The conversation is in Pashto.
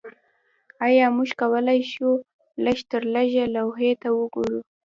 ایا موږ کولی شو لږترلږه لوحې ته وګورو